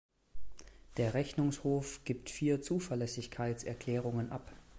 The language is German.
Der Rechnungshof gibt vier Zuverlässigkeitserkärungen ab.